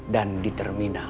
dan di terminal